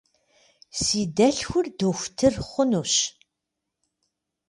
Si delhxur doxutır xhunuş.